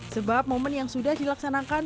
sebab momen yang sudah dilaksanakan